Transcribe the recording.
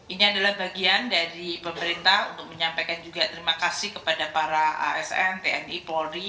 ini adalah bagian dari pemerintah untuk menyampaikan juga terima kasih kepada para asn tni polri